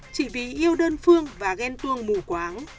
chỉ vì yêu đơn phương và ghen tuông mù quáng